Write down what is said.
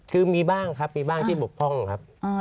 คือมีบ้างครับมีบ้างที่บกพร่องครับ